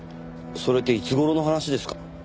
それっていつ頃の話ですか？